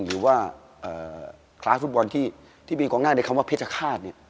หรือว่าคลาสฟุตบอลที่มีกองหน้าในคำว่าเพชรฆาต